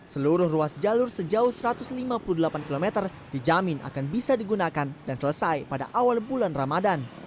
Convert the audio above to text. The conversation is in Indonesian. seluruh ruas jalur sejauh satu ratus lima puluh delapan km dijamin akan bisa digunakan dan selesai pada awal bulan ramadan